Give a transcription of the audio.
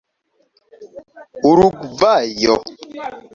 urugvajo